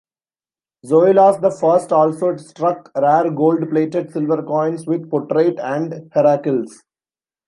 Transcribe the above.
Zoilos the First also struck rare gold-plated silver coins with portrait and Heracles.